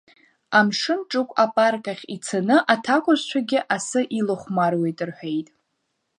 Амшынҿықә апарк ахь ицаны аҭакәажәцәагьы асы илахәмаруеит, — рҳәеит.